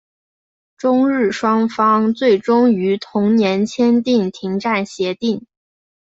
中日双方最终于同年签订停战协定。